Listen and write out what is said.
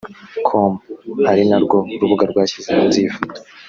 com ari narwo rubuga rwashyize hanze iyi foto